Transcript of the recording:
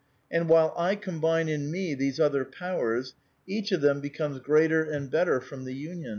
And while I combine in me these other powers, each of them becomes greater and better from the union.